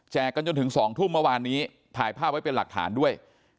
กันจนถึง๒ทุ่มเมื่อวานนี้ถ่ายภาพไว้เป็นหลักฐานด้วย